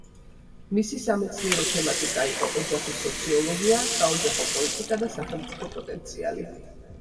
მისი სამეცნიერო თემატიკა იყო ოჯახის სოციოლოგია, საოჯახო პოლიტიკა და სახელმწიფო პოტენციალი.